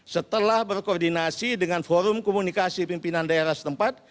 setelah berkoordinasi dengan forum komunikasi pimpinan daerah setempat